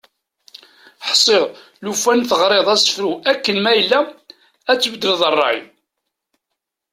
Ḥsiɣ lufan teɣriḍ asefru akken ma yella, ad tbeddleḍ rray.